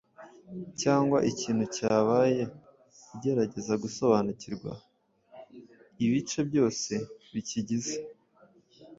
cyangwa ikintu cyabaye bugerageza gusobanukirwa ibice byose bikigize.